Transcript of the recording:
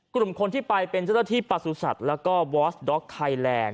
กลุ่มคนที่ไปเป็นเจ้าหน้าที่ประสุทธิ์แล้วก็วอสด็อกไทยแลนด์